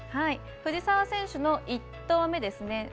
藤澤選手の１投目ですね。